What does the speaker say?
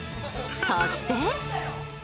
そして。